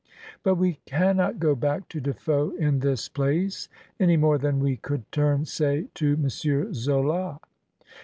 But we cannot go back to De Foe in this place any more than we could turn, say, to M. Zola.